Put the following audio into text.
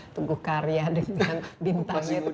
tunggu karya dengan bintangnya itu